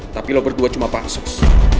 tapi lo berdua cuma pansus